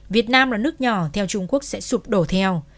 việt nam là nước nhỏ theo trung quốc sẽ sụp đổ theo